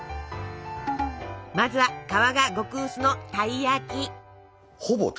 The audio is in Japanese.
まずは皮が極薄のたい焼き。